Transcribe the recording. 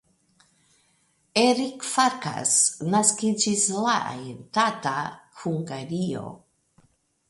Erik Farkas naskiĝis la en Tata (Hungario).